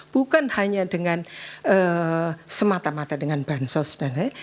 bukan hanya dengan semata mata dengan bansos dan lain